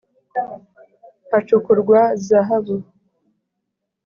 Hacukurwa zahabu